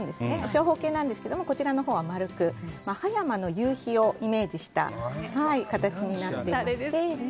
長方形なんですが、こちらは丸く葉山の夕日をイメージした形になっていまして。